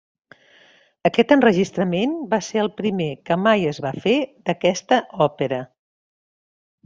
Aquest enregistrament va ser el primer que mai es va fer d'aquesta òpera.